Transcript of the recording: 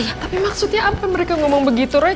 iya tapi maksudnya apa mereka ngomong begitu roy